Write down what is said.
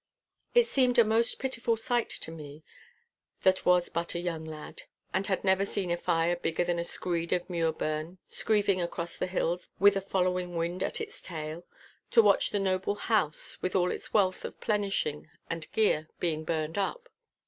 It seemed a most pitiful sight to me, that was but a young lad (and had never seen a fire bigger than a screed of muirburn screeving across the hills with a following wind at its tail), to watch the noble house with all its wealth of plenishing and gear being burned up.